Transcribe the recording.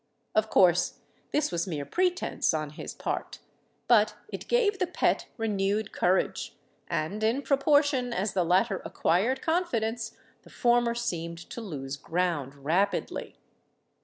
Of course this was mere pretence on his part: but it gave the Pet renewed courage; and in proportion as the latter acquired confidence, the former seemed to lose ground rapidly.